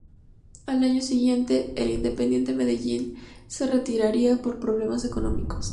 Al año siguiente, el Independiente Medellín, se retiraría por problemas económicos.